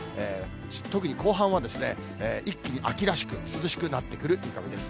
特に後半は一気に秋らしく、涼しくなってくる見込みです。